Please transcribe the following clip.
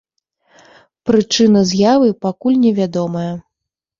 Прычына з'явы пакуль не вядомая.